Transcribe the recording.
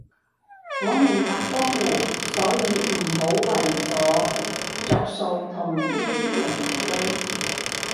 我明白江湖，所以唔好為咗着數同呢啲人埋堆